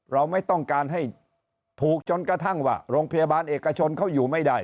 เราไม่ต้องการให้ถูกจนกระทั่งว่าโรงพยาบาลเอกชนเขาอยู่ไม่ได้